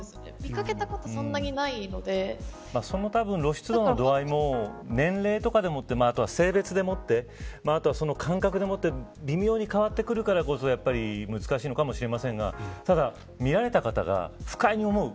見掛けたことその露出度の度合いも年齢や性別でもってあとは感覚でもって微妙に変わってくるからこそ難しいのかもしれませんがただ、見られた方が不快に思う。